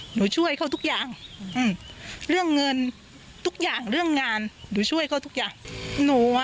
หนูช่วยเขาทุกอย่างเรื่องเงินทุกอย่างเรื่องงานหนูช่วยเขาทุกอย่าง